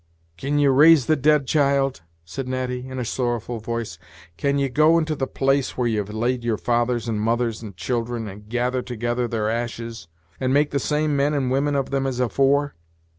"Can ye raise the dead, child?" said Natty, in a sorrowful voice: "can ye go into the place where you've laid your fathers, and mothers, and children, and gather together their ashes, and make the same men and women of them as afore?